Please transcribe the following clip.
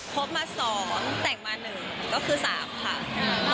บมา๒แต่งมา๑ก็คือ๓ค่ะ